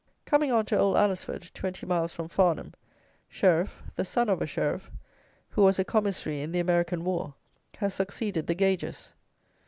Coming on to old Alresford (twenty miles from Farnham) Sheriff, the son of a Sheriff, who was a Commissary in the American war, has succeeded the Gages.